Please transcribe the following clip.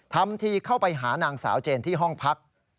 ทำทีเข้าไปหานางสาวเจนที่ห้องพัก